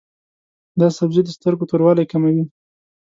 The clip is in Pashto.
دا سبزی د سترګو توروالی کموي.